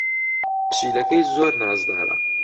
پشیلەکەی زۆر نازدارە.